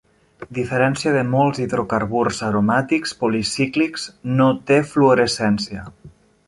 A diferència de molts hidrocarburs aromàtics policíclics, no té fluorescència.